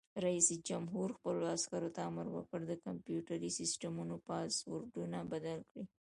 رئیس جمهور خپلو عسکرو ته امر وکړ؛ د کمپیوټري سیسټمونو پاسورډونه بدل کړئ!